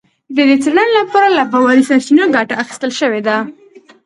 د دې څېړنې لپاره له باوري سرچینو ګټه اخیستل شوې ده